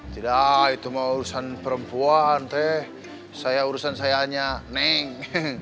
tidak itu mah urusan perempuan teh saya urusan saya aja neng